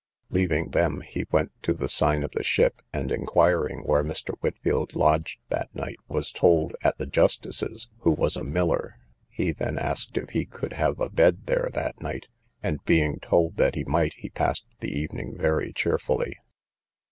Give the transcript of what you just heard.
Leaving them, he went to the sign of the ship, and enquiring where Mr. Whitfield lodged that night, was told at the justice's, who was a miller; he then asked if he could have a bed there that night, and being told that he might, he passed the evening very cheerfully.